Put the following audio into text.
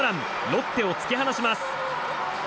ロッテを突き放します。